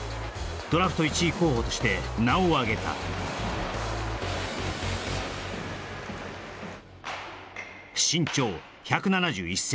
ドラフト１位候補として名をあげた身長１７１ｃｍ